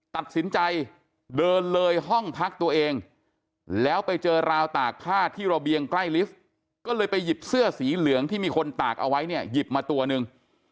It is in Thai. ตัดสินใจเดินเลยห้องพักตัวเองแล้วไปเจอราวตากผ้าที่ระเบียงใกล้ลิฟท์ก็เลยไปหยิบเสื้อสีเหลืองที่มีคนตากเอาไว้เนี่ยหยิบมาตัวหนึ่ง